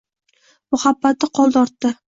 Muhabbati qoldi ortda.